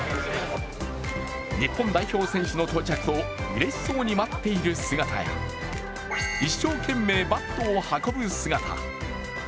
日本代表選手の到着をうれしそうに待っている姿や一生懸命、バットを運ぶ姿。